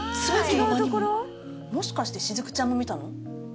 もしかして雫ちゃんも見たの？